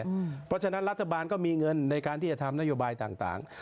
เพราะฉะนั้นรัฐบาลก็มีเงินในการที่จะทำนโยบายต่าง